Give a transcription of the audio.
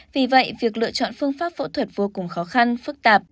vì vậy việc lựa chọn phương pháp phẫu thuật vô cùng khó khăn phức tạp